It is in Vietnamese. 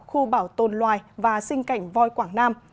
khu bảo tồn loài và sinh cảnh voi quảng nam